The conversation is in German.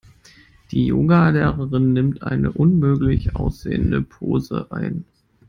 Die Yoga-Lehrerin nimmt eine unmöglich aussehende Pose ein.